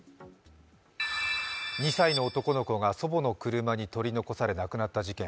２歳の男の子が祖母の車に取り残され、亡くなった事件。